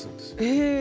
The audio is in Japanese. へえ！